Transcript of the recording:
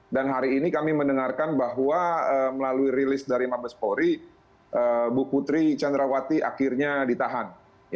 dan hari ini kami mendengarkan bahwa melalui rilis dari mabespori bu putri candrawati akhirnya ditahan